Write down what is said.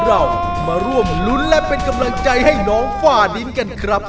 เรามาร่วมรุ้นและเป็นกำลังใจให้น้องฝ้าดินกันครับ